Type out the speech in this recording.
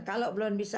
kalau belum bisa